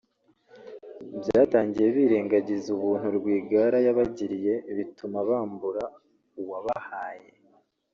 Byatangiye birengagiza ubuntu Rwigara yabagiriye bituma bambura uwabahaye